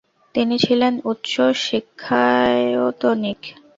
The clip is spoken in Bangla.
তিনি ছিলেন উচ্চ শিক্ষায়তনিক।